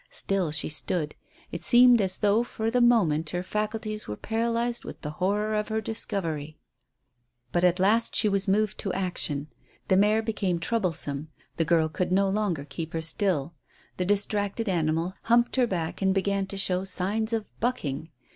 Still she stood. It seemed as though for the moment her faculties were paralyzed with the horror of her discovery. But at last she was moved to action. The mare became troublesome. The girl could no longer keep her still. The distracted animal humped her back and began to show signs of "bucking."